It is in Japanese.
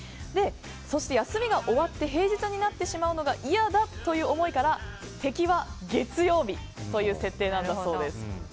そして、休みが終わって平日になってしまうのが嫌だという思いから敵は月曜日という設定なんだそうです。